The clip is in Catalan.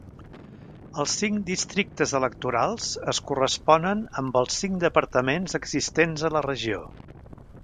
Els cinc districtes electorals es corresponen amb els cinc departaments existents a la regió.